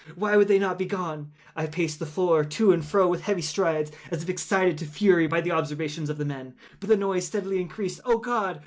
Why would they not be gone? I paced the floor to and fro with heavy strides, as if excited to fury by the observations of the men—but the noise steadily increased. Oh God!